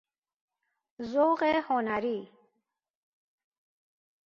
ذوق هنری